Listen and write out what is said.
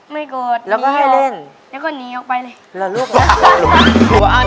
ไม่กลัวหนีออกแล้วก็หนีออกไปเลยแล้วก็ให้เล่น